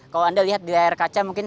kalau anda lihat di layar kaca mungkin